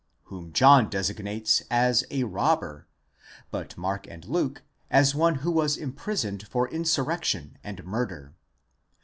2 whom John designates as a vobber, λῃστής, but Mark and Luke as one who was imprisoned for insurrection and murder.